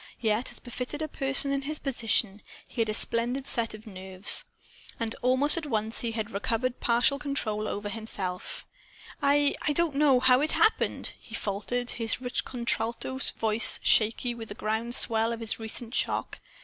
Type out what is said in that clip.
Yet, as befitted a person in his position, he had a splendid set of nerves. And almost at once he recovered partial control over himself. "I I don't know how it happened," he faltered, his rich contralto voice shaky with the ground swells of his recent shock.